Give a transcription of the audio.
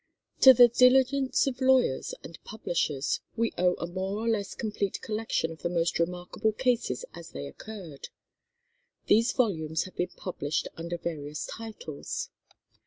To the diligence of lawyers and publishers we owe a more or less complete collection of the most remarkable cases as they occurred. These volumes have been published under various titles.